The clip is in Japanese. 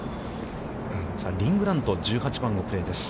リン・グラント、１８番のプレーです。